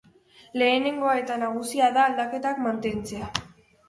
Lehenengoa eta nagusia da aldaketak mantentzea.